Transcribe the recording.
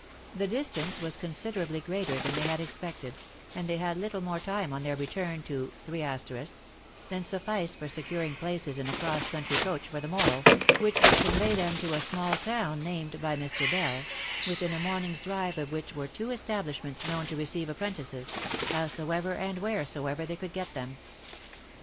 The distance was considerably greater than they had expected, and they had little more time on their return to , than sufficed for securing places in a cross country coach for the morrow, which would convey them to a small town named by Mr. Bell, within a morning's drive of which were two establishments known to receive apprentices, howsoever and wheresoever they could get them.